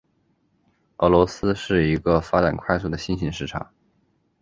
俄罗斯是一个发展快速的新型市场。